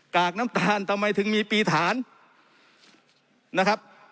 กากน้ำตาลทำไมถึงมีปีฐานนะครับ